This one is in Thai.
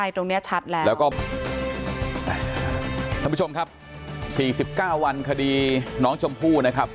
ตรงนี้ชัดแล้วแล้วก็ท่านผู้ชมครับ๔๙วันคดีน้องชมพู่นะครับ